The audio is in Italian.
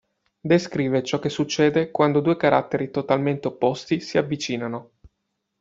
Descrive ciò che succede quando due caratteri totalmente opposti si avvicinano.